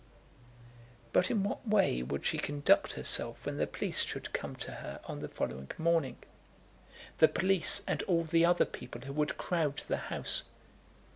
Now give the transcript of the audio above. But in what way would she conduct herself when the police should come to her on the following morning, the police and all the other people who would crowd to the house?